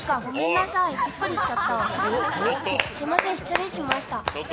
すいません、失礼しました。